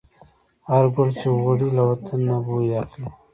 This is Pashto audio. هر ګل چې غوړي، له وطن نه بوی اخلي